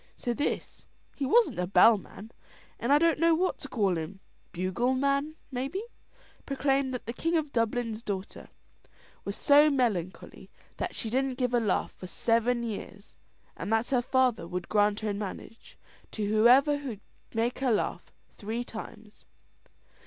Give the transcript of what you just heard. So this he wasn't a bellman, and I don't know what to call him bugleman, maybe, proclaimed that the King of Dublin's daughter was so melancholy that she didn't give a laugh for seven years, and that her father would grant her in marriage to whoever could make her laugh three times.